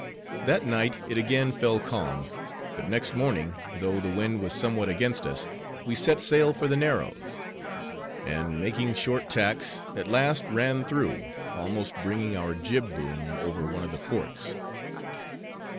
That night it again fell calm; but next morning, though the wind was somewhat against us, we set sail for the Narrows; and making short tacks, at last ran through, almost bringing our jib boom over one of the forts.